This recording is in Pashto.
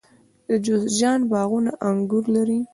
د جوزجان باغونه انګور لري.